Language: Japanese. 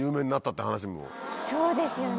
そうですよね。